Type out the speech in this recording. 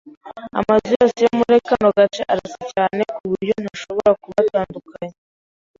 Amazu yose yo muri kano gace arasa cyane kuburyo ntashobora kubatandukanya.